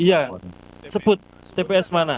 iya sebut tps mana